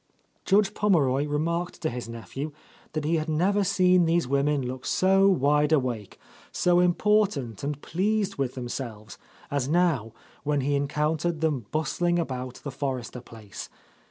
Judge Pommeroy remarked to his nephew that he had never seen these women look so wide awake, so important and pleased with themselves, as now when he encountered them bustling about the Forrester place.